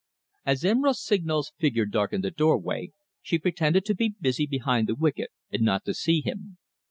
As M. Rossignol's figure darkened the doorway, she pretended to be busy behind the wicket, and not to see him.